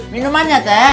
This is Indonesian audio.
minuman ya teh